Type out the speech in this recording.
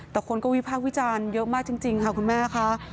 แต่คนก็วิพากษ์วิจารณ์เยอะมากจริงค่ะคุณแม่ค่ะ